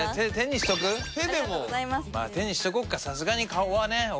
手にしとこっかさすがに顔はね。